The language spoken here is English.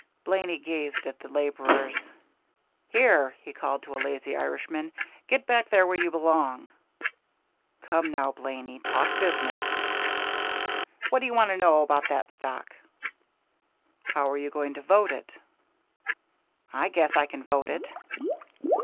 Blaney gazed at the laborers. "Here!" he called to a lazy Irishman, "get back there where you belong!" "Come now, Blaney, talk business." "What do you want to know about that stock?" "How are you going to vote it?" "I guess I can vote it."